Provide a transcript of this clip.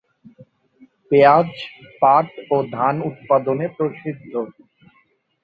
পেয়াজ, পাট ও ধান উৎপাদনে প্রসিদ্ধ।